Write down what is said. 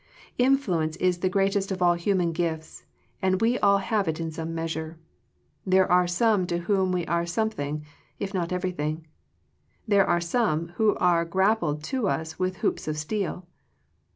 Influence is the greatest of all human gifts, and we all have it in some measure. There are some to whom we are some thing, if not everything. There are some, who are grappled to us with hoops of steel.